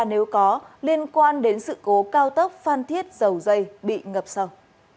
nếu có liên quan đến sự cố cao tốc phan thiết dầu dây bị ngập sâu